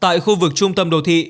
tại khu vực trung tâm đồ thị